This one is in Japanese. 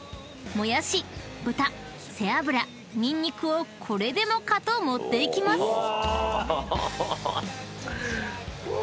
［もやし豚背脂にんにくをこれでもかと盛っていきます］